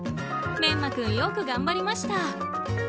めんま君、よく頑張りました！